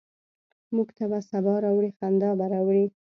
موږ ته به سا ه راوړي، خندا به راوړي؟